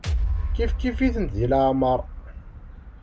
Kifkif-itent di leɛmeṛ.